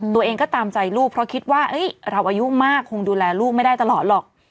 ตัวเองก็ตามใจลูกเพราะคิดว่าเราอายุมากคงดูแลลูกไม่ได้ตลอดหรอก